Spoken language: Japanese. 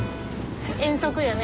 遠足よね。